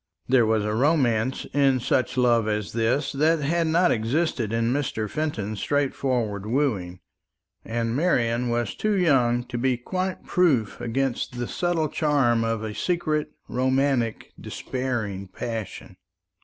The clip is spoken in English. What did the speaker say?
There was a romance in such love as this that had not existed in Mr. Fenton's straightforward wooing; and Marian was too young to be quite proof against the subtle charm of a secret, romantic, despairing passion.